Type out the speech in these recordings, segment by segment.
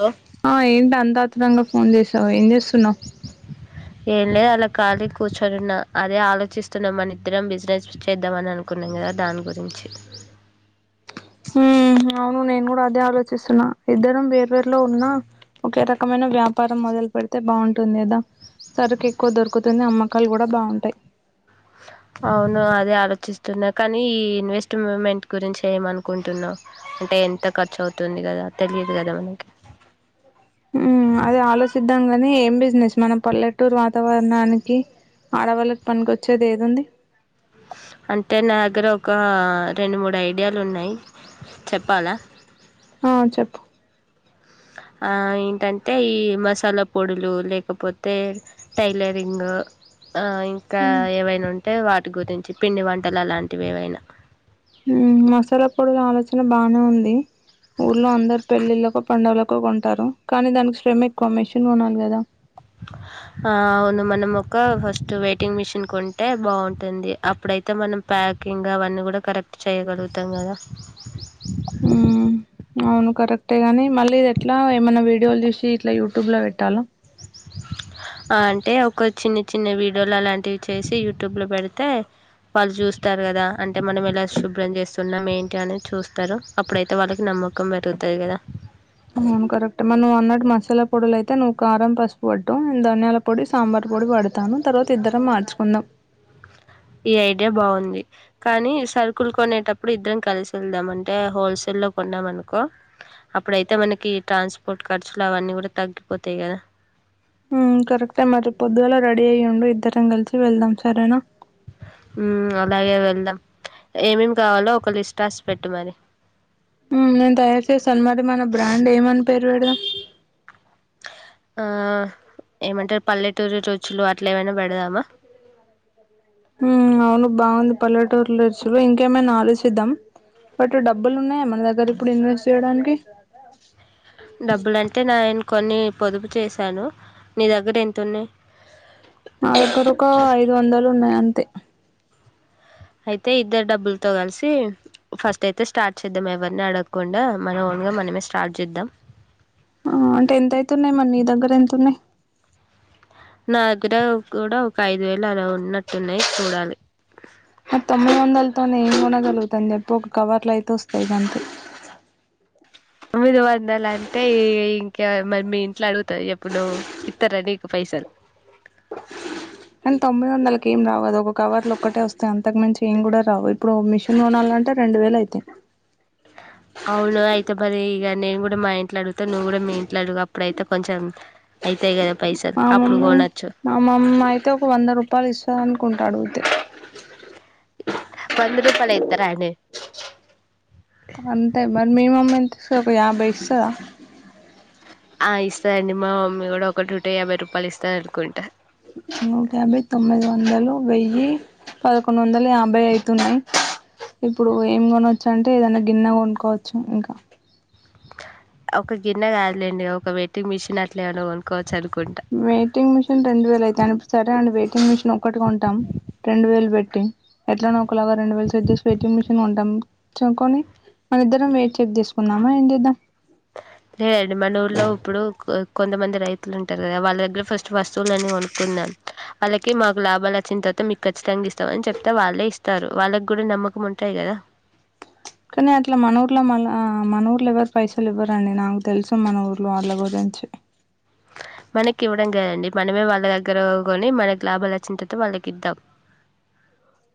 లో ఎ ఏం లేదు అలా ఖాళీ కూర్చొనిన్న అదే ఆలోచిస్తున్నా మన ఇద్దరం బిజినెస్ చేద్దాం అని అనుకున్నాం కదా దాని గురించి అవును నేను కూడా అదే ఆలోచిస్తున్నా ఇద్దరం వేర్వేరులో ఉన్నా ఒకే రకమైన వ్యాపారం మొ సరుకు ఎక్కువ దొరుకుతుంది అమ్మ మక్కలు కూడా బాగుంటాయి అవును అదే ఆలోచిస్తున్నా కానీ ఈ అదే ఆలోచిద్దాం గని ఏం బిజినెస్ మన పల్లెటూరు వాతావరణానికి ఆడవాళ్ళకి పనికోచ్చేదేదుంది అంటే నా దగ్గర ఒక రెండు మూడు ఐడియాలు ఉన్నాయి చెప్పాలా ఆ చెప్పు ఆ ఏంటంటే ఈ మసాలా పొడులు లేకపోతే టైలరింగ్ ఆ ఇంకా హ్మ్ ఏవైనా ఉంటే వాట్ గురించి పిండి వంటలు అలాంటివి ఏవైనా ఉ మసాలా పొడుల ఆలోచన బానే ఉంది ఊర్లో అందరు పెళ్లిళ్ళకు పండుగలకు ఎక్కువగొంటారు కానీ దానికి శ్రమ ఎక్కువ మిషిన్ కొనాలి కదా హ అవును మనం ఒక ఫస్ట్ వెయిటింగ్ మిషిన్ కొంటే బాగుంటుంది అప్పుడైతే మనం ప్యాకింగ్ అవన్నీ కూడా కరెక్ట్ చేయగలుగుతాం కదా ఉ అవును కరెక్టే కనీ మళ్ళీ ఇది ఎట్లా ఏమైనా వీడియోలు తీసి ఇట్లా యూట్యూబ్ ల పెట్టాలా ఆ అంటే ఒక చిన్న చిన్న వీడియోలు అలాంటివి చేసి యూట్యూబ్లో పెడితే వాళ్ళు చూస్తారు కదా అంటే మనం ఎలా శుభ్రం చేస్తున్నాం ఏంటి అనే చూస్తారు అప్పుడైతే వాళ్ళకి నమ్మకం పెరుగుతది కదా అవును కరెక్ట్ మరి నువ్వు అన్నట్టు మసాలా పొడులు అయితే నువ్వు కారం పసుపు పట్టు నే ధనియాల పొడి సాంబార్ పొడి పడతాను తర్వాత ఇద్దరం మార్చుకుందాం ఈ ఐడియా బాగుంది కానీ సరుకుల్ కొనేటప్పుడు ఇద్దరం కలిసి వెళ్దాం అంటే హోల్సేల్ లో కొన్నాం అనుకో అప్పుడైతే మనకి ట్రాన్స్పోర్ట్ ఖర్చులు అవన్నీ కూడా తగ్గిపోతాయి కదా ఉ కరెక్టే మరీ పొద్దుగాల రెడీ అయ్యండు ఇద్దరం కలిసి వెళ్దాం సరేనా ఉ అలాగే వెళ్దాం ఏమేమి కావాలో ఒక లిస్ట్ రాసి పెట్టు మరి నేను తయారు చేసాను మరి మన బ్రాండ్ ఏమని పేరు పెడదాం ఆ ఏమంటారు పల్లెటూరి రుచులు అట్లా ఏమైనా బేడదామా అవును బాగుంది పల్లెటూరు రుచులు ఇంకేమైనా ఆలోచిద్దాం బట్ డబ్బులు ఉన్నాయా మన దగ్గర ఇప్పుడు ఇన్వెస్ట్ చేయడానికి డబ్బులుంటే నా ఆయన కొన్ని పొదుపు చేశాను నీ దగ్గర ఎంతున్నై నా దగ్గర ఒక ఐదు వందలు ఉన్నాయి అం తే అయితే ఇద్దరు డబ్బులతో కలిసి ఫస్ట్ అయితే స్టార్ట్ చేద్దాం ఎవరిని అడగకుండా మనం ఓన్గా మనమే స్టార్ట్ చేద్దాం ఆ అంటే ఎంతయితున్నాయి మరి నీ దగ్గర ఎంత ఉన్నాయి నా దగ్గర కూడా ఒక ఐదు వేలు అలా ఉన్నట్టున్నాయి చూడాలి మరి తొమ్మిది వందలతోనే ఏం కొనగలుగుతాను చెప్పు ఒక కవర్లైతే వస్తాయి గంతే తొమ్మిది వందలు అంటే ఇంకా మరి మీ ఇంట్ల అడుగుతా చేప్పు నువు ఇత్తర నీకు పైసల్ కానీ తొమ్మిది వందలకేం రావు కదా ఒక కవర్లు ఒక్కటే వస్తాయి అంతకు మించి ఏం కూడా రావు ఇప్పుడు మిషన్ కోనాలంటే రెండు వేలు అయితై అవు నేను కూడా మా ఇంట్లో అడుగుత నువ్వు కూడా మీ ఇంట్ల అడుగు అప్పుడైతే కొంచెం అయితాయి కదా పైసలు మా అప్పుడు మమ్మీ కొనొచ్చు మా మమ్మయితే ఒక వంద రూపాయలు ఇస్త అనుకుంటా అడుగుతే పంద్ర రూపాయలులై అంతే మరి మీ మమ్మ ఒక యాభై ఇస్తాద ఆ ఇస్తాదండి మా మమ్మీ కూడా ఒకటిూట యాభై రూపాయలు ఇస్తాయి అనుకుంటా నూట యాభై తొమ్మిది వందలు వెయ్యి పదకొండు వందలు యాభై అయితున్నాయి ఇప్పుడు ఏం కొనచ్చు ు అంటే ఏదనా గిన్నెగా కొనుకోవచ్చు ఇంకా ఒక గిన్నె కాదులేండి ఒక వెయిట్టింగ్ మిషన్ అట్లే ఏమన్నాో కొనుక్కకోవచ్చు చదు వెయిటింగ్ మిషన్ రెండు వేల అయితే అని సరే అండి వెయిటింగ్ మిషిన్ ఒక్కటిగా ఉంటాం రెండు వేలు పెట్ ఎట్లా వరం రెండు వేలు సెట్ చేసి పెట్టు ఉంటాం చూకొని మన ఇద్దరం చెక్ తీసుకుందమా ఏం చేద్దాం లేదండి మన ఊళ్లో ఇప్పుడు కొంతమంది రైతులుంటారు కద వాళ్ళ దగ్గర ఫస్ట్ వస్తువులని కొనుక్కుందాం వాళ్ళకి మాకు లాభాలు వచ్చిన తర్వాత మీకు ఖచ్చితంగా ఇస్తామ అని చెప్తతే వాళ్ళే ఇస్తారు వాళ్ళకి కూడా నమ్మకం ఉంటాయి కదా కానీ అట్లా మన ఊర్లా మళ మన ఊర్లు ఎవ్వరు పైసలు ఇవ్వరుండి నాకు తెలుసు మన ఊర్లో వాళ్ల గురించి మనకి ఇవ్వడం కాదండీ మనమే వాళ్ళ దగ్గర కొని మనకు లాభాలు వచ్చిన తర్వాత వాళ్ళకి ఇద్దాం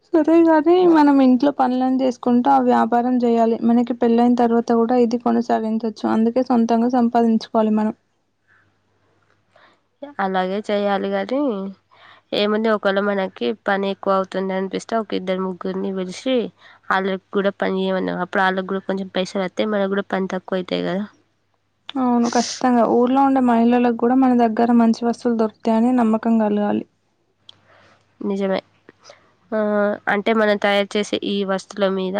సరే గాని మనం ఇంట్లో పనులను చేసుకుంటూ ఆ వ్యాపారం చేయాలి మనకి పెళ్ళయిన తర్వాత కూడా ఇది కొనసాగించవచ్చు అందుకే సొంతంగా సంపాదించుకోవాలి మనం అలాగే చేయాలి ని ఏముంది ఒకవేళ మనకి పని ఎక్కువ అవుతుంది అనిపిస్తే ఒక ఇద్దరు ముగ్గురిని పలిసి వాళ్ళకి కూడా పని చేయమన్నా అప్పుడు వాళ్ళకి కూడా కొంచెం పైస వస్తా మనకు కూడా పని తక్కువ అవుతాయి కదా అవును ఖచ్చితంగా ఊర్లో ఉండే మహిళలకు కూడా మన దగ్గర మంచి వస్తువులు దొరుకుతాయని నమ్మకం కలగాలి నిజమే ఆ అంటే మనం తయారు చేసే ఈ వస్తువుల మీద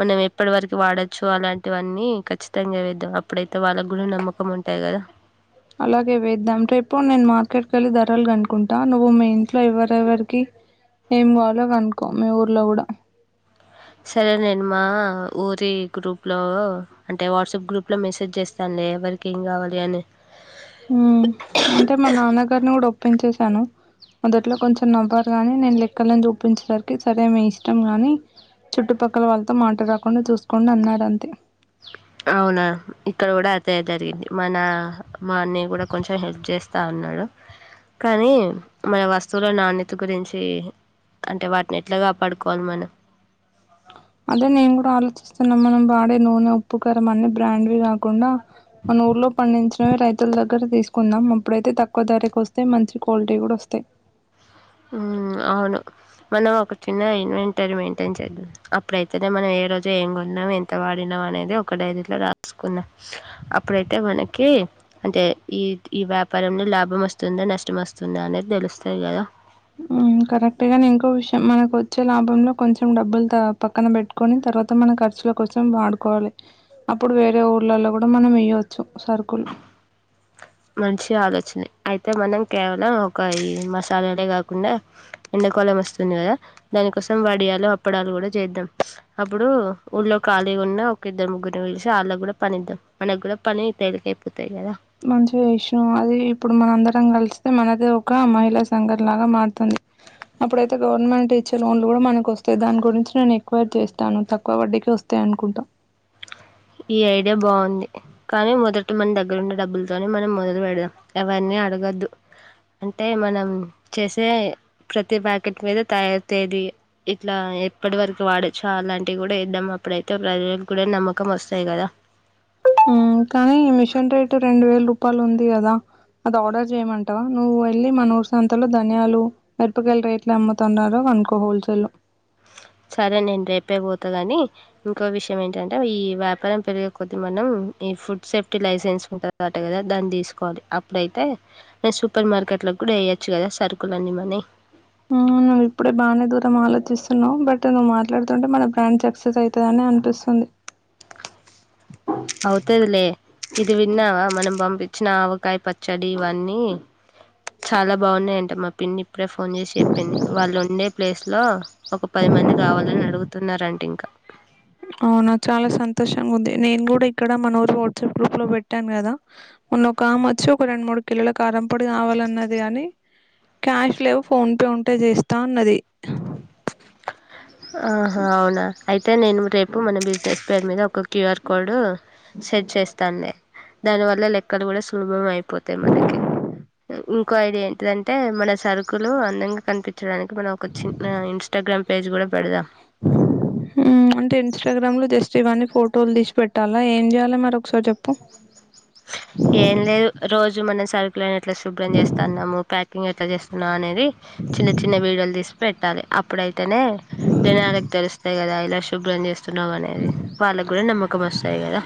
మనం ఎప్పటి వరకు వాడచ్చు అలాంటివన్నీ ఖచ్చితంగా వేద్దాం అప్పుడైతే వాళ్ళ గూడ నమ్మకం ఉంటాయి కదా అలాగే వేద్దాంంటే ఇప్పుడు నేను మార్కెట్కి వెళ్ళి ధరలు కనుకుంటా నువ్వు మీ ఇంట్లో ఎవ్వరెవరికి ఏం కాలో కనుకో మీ ఊర్లో కూడా సరే నేనుమా ఊరి గ్రూప్లో అంటే వాట్సాప్ గ్రూప్లో మెసేజ్ చేస్తాను లే ఎవరికి ఏం కావాలి అని ఉ అంటే మా నాన్నగారిని కూడా ఒప్పించసాను మొదట్లో కొంచెం నవ్వార్ కాని నేను లెక్కలను చూపించడారికి సరే మీ ఇష్టం కాని చుట్టుపక్కల వాళ్ళతో మాట్లా రాకుండా చూసుకోండి అన్నారు అంతే అవునా ఇక్కడ కూడా ే జరిగింది మన మా అన్న కూడా కొంచెం హెల్ప్ చేస్తా ఉన్నాడు కానీ మన వస్తువుల నాణ్యత గురించి అంటే వాటిని ఎట్లాగాపాడుకోవాలి మనం అదే నేను కూడా ఆలోచిస్తున్నాం మనం వాడే నూనె ఉప్పు కరం అన్ని బ్రాండ్వి కాకుండా మన ఊర్లో పండించినవి రైతుల దగ్గర ఇక్కడ తీసుకుందాం అప్పుడైతే తక్కువ ధరకి వస్తాయి మంచి క్వాలిటీ కూడా వస్తాయి యూ అవును మనం ఒక చిన్న ఇన్వెంటర్ మెయింటైన్ చేద్దాం అప్పుడైతేనే మనం ఏ రోజు ఏం కొన్నాం ఎంత వాడినాం అనేది ఒక డైరీలో రాసుకున్నాం అప్పుడై అంటే మనకి అంటే ఈ ఈ వ్యాప్ పరంలో లాభం వస్తుందో నష్టం వస్తుందో అనేది తెలుస్తాది కదా యూ కరెక్ట్ గానే ఇంకో విషయం మనకు వచ్చే లాభంలో కొంచెం డబ్బులు తా పక్కన పెట్టుకొని తర్వాత మనం ఖర్చులకోసం వాడుకోవాలి అప్పుడు వేరే ఊర్లలో కూడా మనం వెయ్యొచ్చు సరుకులు మంచి ఆలోచనే అయితే మనం కేవలం ఒక ఈ మసాలాలే కాకుండా ఎండాకాలం వస్తుంది కదా దానికోసం వడియాలు అప్పడాలు కూడా చేద్దాం అప్పుడు ఊళ్లో ఖాళీగా ఉన్న ఒక ఇద్దరు ముగ్గురు నీ పిలిచి వాళ్ళకి కూడా పని ఇద్దాం మనకు కూడా పని తేలిక అయిపోతది కదా మంచి విషయం అది ఇప్పుడు మనం అందరం కలిస్తే మనదే ఒక మహిళా సంగం లాగా మారుతుంది అప్పుడైతే గవర్నమెంట్ ఇచ్చే లోన్లు కూడా మనకు వస్తాయి దాని గురించి నేను ఎంక్వైరీ చేస్తాను తక్కువ వడ్డీకే వస్తాయి అనుకుంటాం ఈ ఐడియా బాగుంది కానీ మొదట మన దగ్గర ఉన్నే డబ్బులతోనే మనం మొదలు పెడదాం ఎవరిని అడగద్దు అంటే మనం చేసే ప్రతి ప్యాకెట్ మీద తయారీ తేదీ ఇట్లా ఎప్పటి వరకు వాడొచ్చు అలాంటివి కూడా ఇద్దాం అప్పుడైతే ప్రజలకు కూడా నమ్మక కమ్ వస్తాయి కదా యూ కానీ మిషన్ రేటు రెండు వేల రూపాయలు ఉంది కదా అది ఆర్డర్ చేయమంటావా నువ్వు వెళ్ళి మన ఊరు సంతలో ధనియాలు మిరపకాయల రేట్లు అమ్ముతున్నారో అనుకో హోల్సేల్ లో సరే నేను రేపే పోత త గాని ఇంకో విషయం ఏంటంటే ఈ వ్యాపారం పెరిగేకొద్దీ మనం ఈ ఫుడ్ సేఫ్టీ లైసెన్స్ ఉంటుందంట కదా కదా దాన్ని తీసుకోవాలి అప్పుడైతే నే సూపర్ మార్కెట్ లో కూడా వేయొచ్చు కదా సరుకులు అన్ని మనవి యూ నువ్వు ఇప్పుడే బానే దూరం ఆలోచిస్తున్నావు బట్ నువ్వు మాట్లాడుతుంటే మన బ్రాండ్ సక్సెస్ అవుతాదని అనిపిస్తుంది అవుతాది లే ఇది విన్నావా మనం బంప్ చీ నా ఆవకాయ పచ్ చడి ఇవన్నీ చాలా బాగున్నాయి అంట మా పిన్ని ఇప్పుడే ఫోన్ చేసి చెప్పింది వాళ్ళు ఉండే ప్లేస్ లో ఒక పది మంది కావాలని అడుగు తున్నారు అంట ఇంకా అవునా చాలా సంతోషంగా ఉంది నేను కూడా ఇక్కడ మన ఊరు వాట్సాప్ గ్రూప్ లో పెట్టాను కదా మొన్న ఒక ఆమె వచ్చి ఒక రెండు మూడు కిలోల కారంపొడి కావాలన్నది కాని క్యాష్ లేవు ఫోన్ పే ఉంటే చేస్తా అన్నది ఆహా అవునా అయితే నేను రేపు మన బిజినెస్ పేరు మీద ఒక క్యూఆర్ కోడ్ సెట్ చేస్తానులే దాని వల్ల లెక్కలు కూడా సులుభం అయిపోతాయి మనకి ఇంకో ఐడి ఏంటిది అంటే మన సరుకులు అందంగా కనిపించడానికి మనం ఒక చిన్న ఇన్స్టాగ్రామ్ పేజ్ కూడా పెడదాం యూ అంటే ఇన్స్టాగ్రామ్ లో జస్ట్ ఇవన్నీ ఫోటోలు తీసి పెట్టాలా ఏం చేయాలి మరి ఒకసారి చెప్పు ఏం లేదు రోజు మనస్ ప్లేన్ ఎట్ల శుభ్రం చేస్తాన్నాము ప్యాక్ నువ్వు ఎట్లా చేస్తున్నావు అనే రే చిన్న చిన్న వీడియోలు తీసి పెట్టాలి అప్పుడు అయి తేనే జనాలకు తెలుస్తాయి కదా ఇలా శుభ్రం చేస్ చున్నావ్ అనేది వాళ్లకు కూడా నమ్మకం వస్తాయి కదా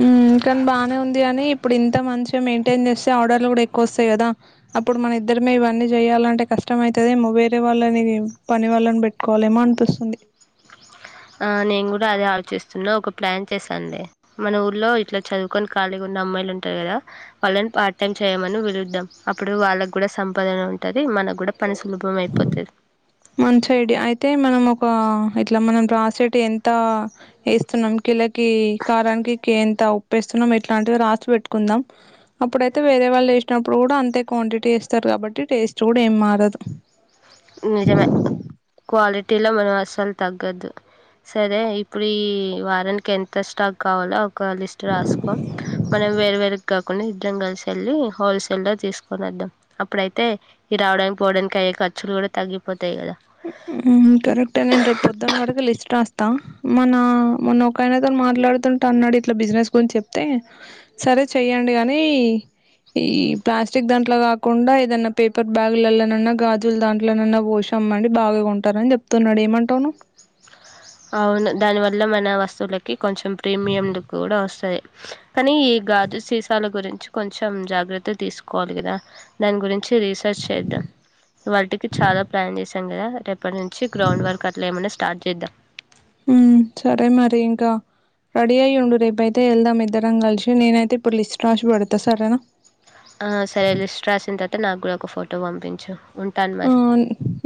మ్మ్, కానీ బాగానే ఉంది అని ఇప్పుడు ఇంత మంచిగా మెయింటైన్ చేస్తే ఆర్డర్లు కూడా ఎక్కువ వస్తాయి కదా అప్పుడు మన ఇద్దరమే ఇవన్నీ చెయాలంటే కష్టమైతది ఏమో వేరే వాళ్ళని పని వాళ్ళని పెట్టుకోలేమా అనిపిస్తుంది ఆ నేను కూడా అదే ఆలోచిస్తున్నా ఒక ప్లాన్ చేశాను లే మన ఊర్లో ఇట్లా చదువుకొని ఖాళీగా ఉన్న అమ్మాయిలు ఉంటారు కదా వాళ్ళని పార్ట్ టైం చేయమని పిలుద్దాం అప్పుడు వాళ్ళకి కూడా సంపాదన ఉంటది మనకు కూడా పని సులభం అయిపోతది మంచి ఐడియా అయితే మనం ఒక ఇట్లా మనం రాసేటివి ఎంత వేస్తున్నాం కిలోకి కారానికి కే ఉప్పేస్తున్నాం ఇట్లాంటివి రాసి పెట్టుకుందాం, అప్పుడైతే వేరే వాళ్ళు వేసినప్పుడు కూడా, అంతే క్వాంటిటీ వేస్తారు కాబట్టి టేస్ట్ కూడా ఏం మారదు. నిజమే క్వాలిటీలో మనం అస్సలు తగ్గద్దు సరే ఇప్పుడు, ఈ వారానికి ఎంత స్టాక్ కావాలో. ఒక లిస్ట్ రాసుకో మనం వేరు వేర్ కాకుండా. కలిసెళ్లి హోల్సేల్ లో తీసుకోని వద్దాం. అప్పుడ అయితే ఈ రావడానికి పోవడానికి అయ్య కర్. చులు కూడా తగిపోత్ ఉ ఉమ్ కరెక్ట్ ఏ నేన్ రే పొద్దున వరకు లిస్ట్ రాస్ తా మన మొన్న ఒకాయనతో మాట్లాడుతుంటా అన్నాడు, ఇట్లా బిజినెస్ గురించి చెప్తే సరే చెయ్యండి, కానీ ఈ ప్లాస్టిక్ దాంట్లో కాకుండా ఏదన్నా పేపర్ బ్యాగులలనన్నా గాజుల దాంట్లోన్నా వోష్. అమ్మండి బాగా కొంటారని చెప్తున్నాడు ఏమంటావ్ నువ్. అవును దాని వల్ల మన వస్తువులకి కొంచెం ప్రీమియం లుక్ కూడా వస్తది. కానీ ఈ గాజు సీసాల గురించి కొంచెం జాగ్రత్త తీసుకోవాలి కదా, దాని గురించి రీసెర్చ్ చేద్దాం. వాటికి చాలా ప్లాన్ చేసాం కదా, రేపటి నుంచి గ్రౌండ్ వర్క్ అట్లా ఏమైన్నా స్టార్ట్ చేద్దాం. ఉమ్ సరే మరి ఇంకా రెడీ అయి ఉండు, రేపు అయితే వెళ్దాం, ఇద్దరం కలిసి నేనయితే ఇప్పుడు లిస్. ఆ సరే లిస్ట్ రాసిన తర్వాత నాక్ కూడా ఒక ఫోటో పంపించు ఉంటాను ఆ మరి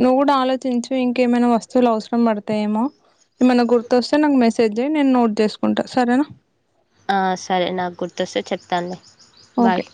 నువ్వు కూడా ఆలోచించు ఇం కే ఏమైనా వస్తువులు అవసరం పడతాయేమో ఏమన గుర్తొస్తే నాక్ మెసే సజ్ జే నేను నోట్ చేసుకుంటా సరేనా ఆ సరే నాకు గుర్తొస్తే చెప్తాన్ లే బాయ్ ఓకే